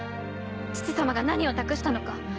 父様が何を託したのか。